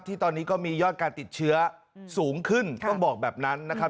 ที่ตอนนี้ก็มียอดการติดเชื้อสูงขึ้นต้องบอกแบบนั้นนะครับ